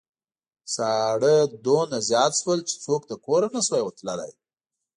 ساړه دومره زيات شول چې څوک له کوره نشوای تللای.